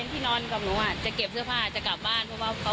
ต้องกลับบ้าน